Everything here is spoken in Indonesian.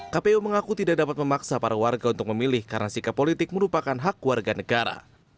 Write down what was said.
kpu mengaku tidak dapat memaksa para warga untuk memilih karena sikap politik merupakan hak warga negara